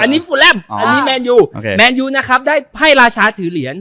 อันนี้ฟูแลมอันนี้แมนยูแมนยูนะครับได้ไพ่ราชาถือเหรียญ